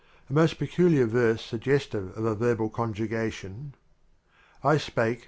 A most peculiar verse sugge stive of a verbal conj ugation : I spake.